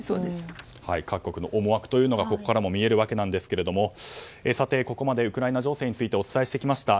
各国の思惑というのが見えるわけなんですけどもここまでウクライナ情勢についてお伝えしてきました。